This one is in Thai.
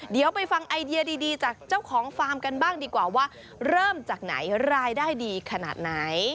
เดี๋ยวไปฟังไอเดียดีจากเจ้าของฟาร์มกันบ้างดีกว่าว่าเริ่มจากไหนรายได้ดีขนาดไหน